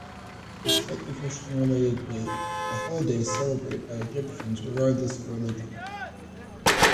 Despite the Christian-related date, the holiday is celebrated by Egyptians regardless of religion.